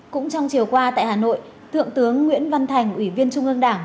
cũng trong chiều qua tại hà nội thượng tướng nguyễn văn thành ủy viên trung ương đảng